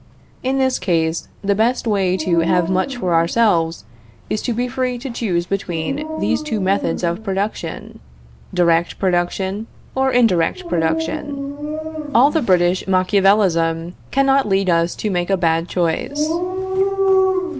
In this case, the best way to have much for ourselves is to be free to choose between these two methods of production: direct production or indirect production. All the British Machiavelism cannot lead us to make a bad choice.